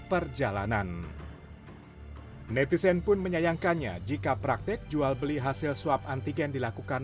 perjalanan netizen pun menyayangkannya jika praktek jual beli hasil swab antigen dilakukan